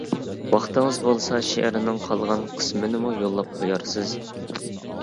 ۋاقتىڭىز بولسا شېئىرنىڭ قالغان قىسمىنىمۇ يوللاپ قويارسىز!